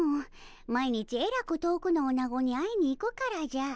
毎日えらく遠くのおなごに会いに行くからじゃ。